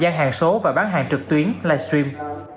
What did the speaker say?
gian hàng số và bán hàng trực tuyến live stream